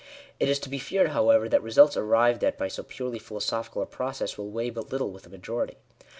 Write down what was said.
It is to be feared, however, that results arrived at by so purely philo sophical a process, will weigh but little with the majority.